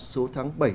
số tháng bảy